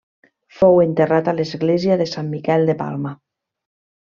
Fou enterrat a l'església de Sant Miquel de Palma.